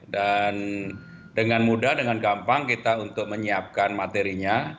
dan dengan mudah dengan gampang kita untuk menyiapkan materinya